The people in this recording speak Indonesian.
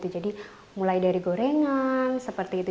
jadi mulai dari gorengan seperti itu